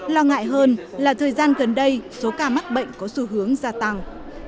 lo ngại hơn là thời gian gần đây số ca mắc bệnh có xu hướng gia tăng